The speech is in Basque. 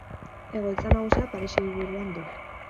Egoitza nagusia Paris hiriburuan du.